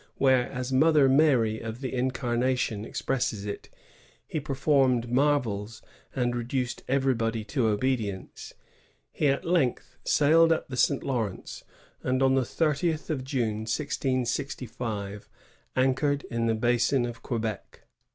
where, as Mother Mary of the Incarnation expresses it| ^ he performed marvels and reduced everybody to obedience," he at length sailed up the St. Law rence, and on the thirtieth of June, 1665, anchored in the basin of Quebec.